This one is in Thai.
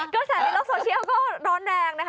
ก็แสดงวัลโลกโซเชียลก็ร้อนแรงนะคะ